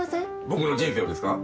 僕の人生をですか？